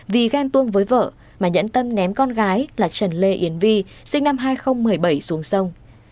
vì ghen tuông với vợ mà nhẫn tâm ném con gái là trần lê yến vi sinh năm hai nghìn một mươi bảy xuống sông